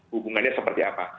hubungannya seperti apa